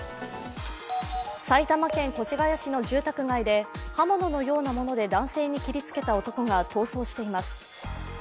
埼玉県越谷市の住宅街で刃物のようなもので男性に切りつけた男が逃走しています。